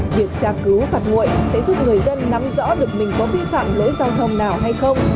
việc tra cứu phạt nguội sẽ giúp người dân nắm rõ được mình có vi phạm lỗi giao thông nào hay không